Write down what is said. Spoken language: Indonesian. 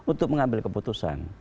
untuk mengambil keputusan